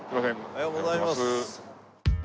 おはようございます。